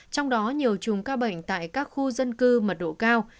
trong đó nhiều chùm ca bệnh tại các khu dân cư mật độ cao